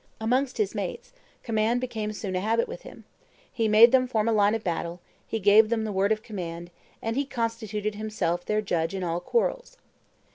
Amongst his mates, command became soon a habit with him; he made them form line of battle, he gave them the word of command, and he constituted himself their judge in all quarrels.